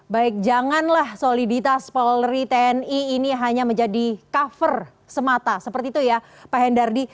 baik janganlah soliditas polri tni ini hanya menjadi cover semata seperti itu ya pak hendardi